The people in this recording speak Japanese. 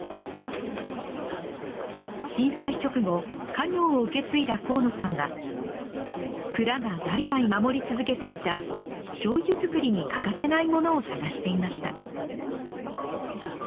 震災直後家業を受け継いだ河野さんは蔵が代々守り続けていた醤油造りに欠かせないものを探していました。